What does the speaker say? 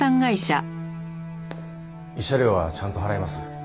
慰謝料はちゃんと払います。